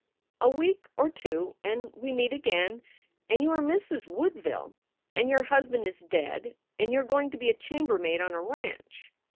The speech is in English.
A week or two and we meet again, and you are Mrs. Woodville and your husband is dead and you re going to be a chambermaid on a ranch.